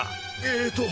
えっと